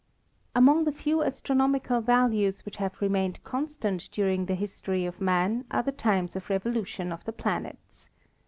Among the few astronomical values which have re mained constant during the history of man are the times of revolution of the planets.